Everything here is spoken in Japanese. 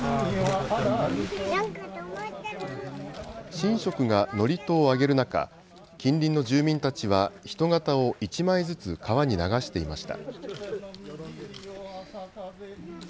神職が祝詞をあげる中、近隣の住民たちは人形を１枚ずつ川に流していました。